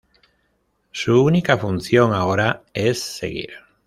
Su única función ahora es seguir.